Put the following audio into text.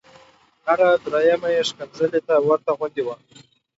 هره دویمه یې ښکنځل ته ورته غوندې وه.